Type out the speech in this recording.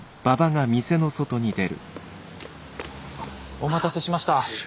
お待たせしました。